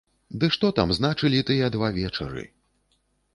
Ды што там значылі тыя два вечары!